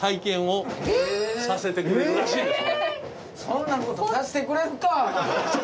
そんなことさせてくれるかお前！